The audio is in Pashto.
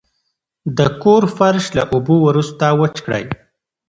د کور فرش له اوبو وروسته وچ کړئ.